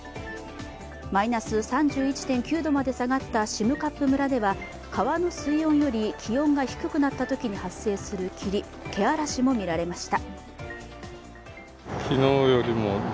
マイナス３１．９度まで下がった占冠村では川の水温より気温が低くなったときに発生する霧、けあらしも見られました。